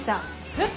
えっ？